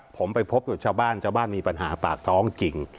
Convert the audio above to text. ผมไปพบกับชาวบ้านชาวบ้านมีปัญหาปากท้องจริง